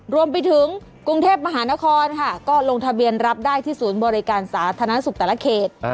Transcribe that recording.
รวมไปถึงกรุงเทพมหานครค่ะก็ลงทะเบียนรับได้ที่ศูนย์บริการสาธารณสุขแต่ละเขต